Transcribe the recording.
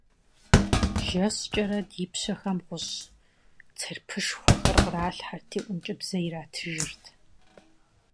ЖэщкӀэрэ ди пщэхэм гъущӀ церпышхуэхэр къралъхьэрти ӀункӀыбзэ иратыжырт.